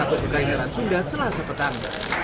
atau pekaisaran sunda selasa petang